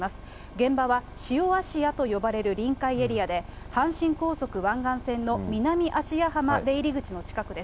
現場はしおあしやと呼ばれる臨海エリアで、阪神高速湾岸線のみなみあしやはまの近くです。